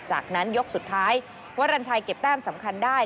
จากนั้นยกสุดท้ายวรรณชัยเก็บแต้มสำคัญได้